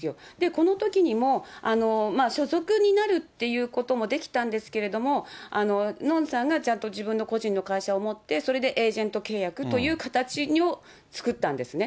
このときにも、所属になるということもできたんですけれども、のんさんがちゃんと自分の個人の会社を持って、それでエージェント契約という形を作ったんですね。